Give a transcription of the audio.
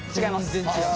全然違う。